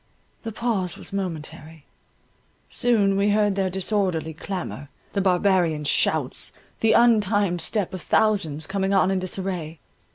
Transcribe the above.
The pause was momentary. Soon we heard their disorderly clamour, the barbarian shouts, the untimed step of thousands coming on in disarray.